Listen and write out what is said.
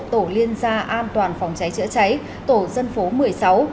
tổ liên gia an toàn phòng cháy chữa cháy tổ dân phố một mươi sáu